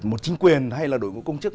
một chính quyền hay là đội ngũ công chức